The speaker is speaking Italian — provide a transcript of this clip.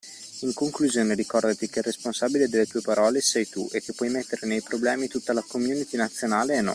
In conclusione ricordati che il responsabile delle tue parole sei tu e che puoi mettere nei problemi tutta la community nazionale e non.